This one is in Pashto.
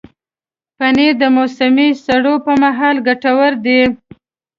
پنېر د موسمي سړو پر مهال ګټور دی.